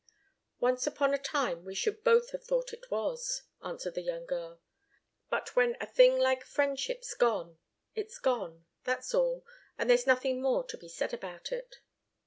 "Once upon a time we should both have thought it was," answered the young girl. "But when a thing like friendship's gone it's gone, that's all, and there's nothing more to be said about it."